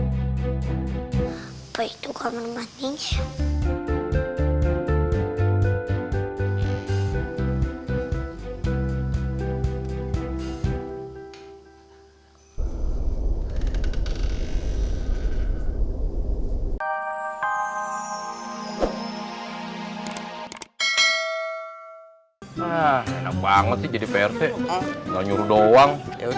tuh kamar mandinya dimana ya bingungin banget